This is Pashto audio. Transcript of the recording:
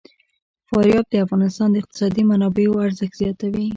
فاریاب د افغانستان د اقتصادي منابعو ارزښت زیاتوي.